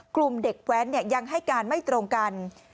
กลุ่มเด็กแว้นยังให้การไม่ตรงกัน